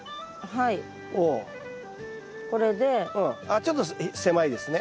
あっちょっと狭いですね。